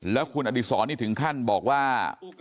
แล้วคุณอดีศรนี่ถึงขั้นบอกว่า